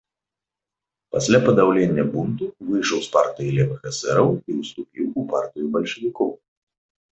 Пасля падаўлення бунту выйшаў з партыі левых эсэраў і ўступіў у партыю бальшавікоў.